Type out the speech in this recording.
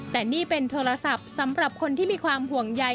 แต่นี่เป็นโทรศัพท์สำหรับคนที่มีความห่วงใย